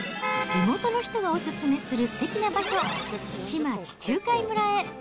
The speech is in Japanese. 地元の人がお勧めするすてきな場所、志摩地中海村へ。